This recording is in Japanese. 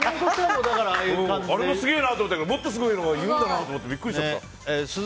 あれもすげえなと思ったけどもっとすごいのがいるんだなと思ってビックリしちゃった。